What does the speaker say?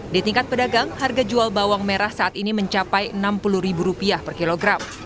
di tingkat pedagang harga jual bawang merah saat ini mencapai rp enam puluh per kilogram